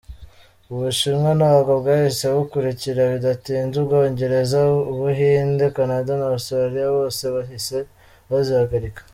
Ubushinwa nabwo bwahise bukurikira, bidatinze Ubwongereza, Ubuhinde, Canada na Australia bose bahise bazihagarika